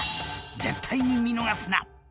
絶対に見逃すな］